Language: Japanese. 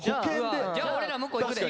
じゃあ俺ら向こう行くで。